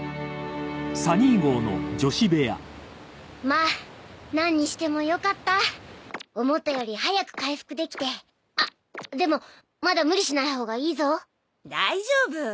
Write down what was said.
まあなんにしてもよかった思ったより早く回復できてあっでもまだ無理しないほうがいいぞ大丈夫